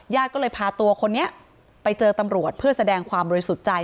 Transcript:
ญาติก็เลยพาตัวคนนี้ไปเจอตำรวจเพื่อแสดงความบริสุทธิ์ใจ